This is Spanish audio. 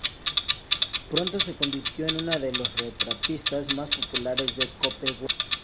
Pronto se convirtió en uno de los retratistas más populares de Copenhague.